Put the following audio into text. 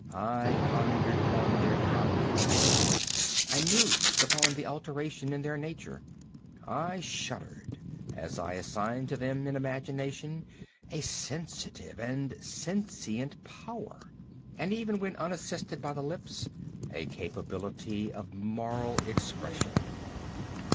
I pondered upon their conformation. I mused upon the alteration in their nature. I shuddered as I assigned to them in imagination a sensitive and sentient power, and even when unassisted by the lips, a capability of moral expression.